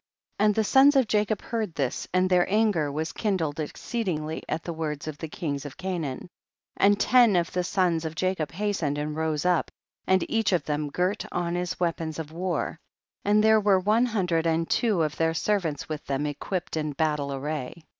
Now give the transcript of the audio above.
12. And the sons of Jacob heard this and their anger was kindled ex ceedingly at the words of the kings of Canaan, and ten of the sons of Jacob hastened and rose up, and each of them girt on his weapons of war ; and there were one hundred * Hebrew, a book or record. no THE BOOK OF JASHER. and two of their servants with them equipped in battle array.